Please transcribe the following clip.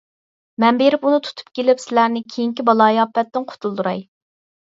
مەن بېرىپ ئۇنى تۇتۇپ كېلىپ، سىلەرنى كېيىنكى بالايىئاپەتتىن قۇتۇلدۇراي.